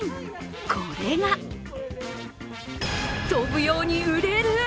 これが飛ぶように売れる。